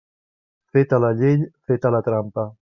Feta la llei, feta la trampa.